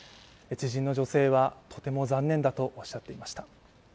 知人の女性は、とても残念だとおっしゃっていました。